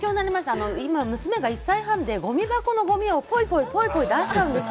娘が１歳半でごみ箱のごみをポイポイ出しちゃうんです。